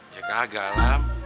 ya kagak lam